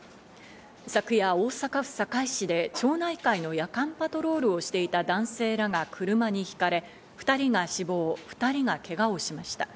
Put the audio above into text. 昨夜、大阪府堺市で町内会の夜間パトロールをしていた男性らが車にひかれ、２人が死亡、２人がけがをしました。